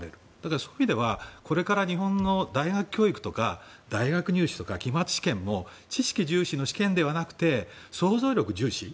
そういう意味ではこれから日本の大学教育とか大学入試とか期末試験も知識重視の試験ではなくて創造力重視。